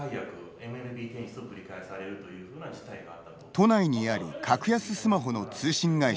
都内にある格安スマホの通信会社です。